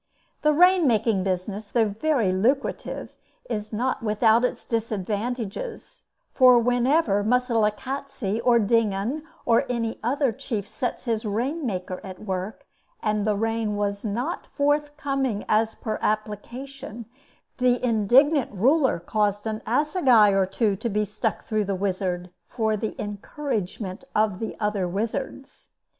The rain making business, though very lucrative, is not without its disadvantages; for whenever Moselekatse, or Dingaan, or any other chief sets his rainmaker at work, and the rain was not forthcoming as per application, the indignant ruler caused an assegai or two to be stuck through the wizard, for the encouragement of the other wizards.